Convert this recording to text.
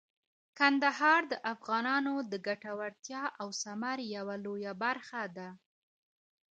کندهار د افغانانو د ګټورتیا او ثمر یوه لویه برخه ده.